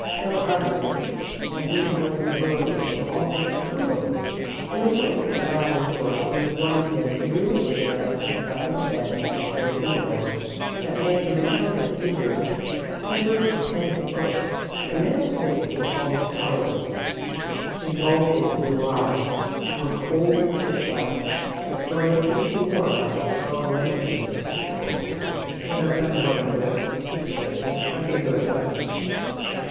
Still others, and these were in the majority, were almost brutal. It was one of the latter sort who one day drew a chair up to the side of the bed with a scraping noise that made the recumbent figure quiver from head to foot. The man's face was almost colourless, his bulging blue eyes were cold and fish like, distorted even more by the strong lenses of his spectacles. "Better have it over with," he suggested. "I can do it now."